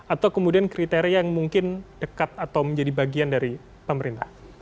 atau kemudian kriteria yang mungkin dekat atau menjadi bagian dari pemerintah